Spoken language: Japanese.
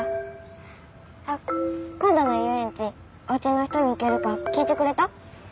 あっ今度の遊園地おうちの人に行けるか聞いてくれた？